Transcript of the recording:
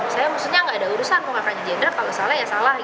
saya tidak ada urusan kalau kakaknya jenderal kalau salah ya salah